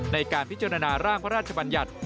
ในการพิจารณาร่างพระราชบัญญัติ